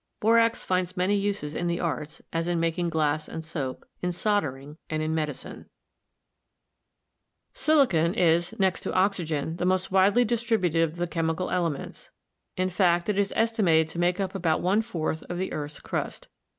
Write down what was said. Borax finds many uses in the arts, as in mak ing glass and soap, in soldering and in medicine. DESCRIPTIVE MINERALOGY 273 Silicon is, next to oxygen, the most widely distributed of the chemical elements; in fact, it is estimated to make up about one fourth of the earth's crust.